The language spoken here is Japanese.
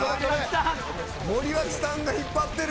森脇さんが引っ張ってる。